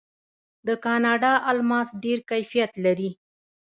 د کاناډا الماس ډیر کیفیت لري.